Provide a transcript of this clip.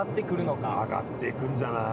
上がっていくんじゃない？